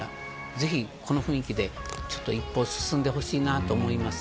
ぜひ、この雰囲気で一歩を進んでほしいなと思います。